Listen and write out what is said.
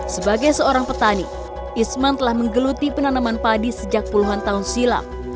sebagai seorang petani isman telah menggeluti penanaman padi sejak puluhan tahun silam